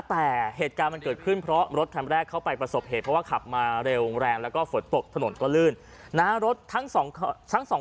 แต่เหตุการณ์มันเกิดขึ้นเพราะรถแรกเข้าไปประสบเหตุเพราะว่าขับมาเร็วแรงแล้วก็ฝดปกถนนก็ลื่นนะฮะ